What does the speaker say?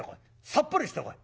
さっぱりしてこい。